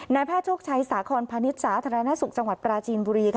แพทย์โชคชัยสาคอนพาณิชย์สาธารณสุขจังหวัดปราจีนบุรี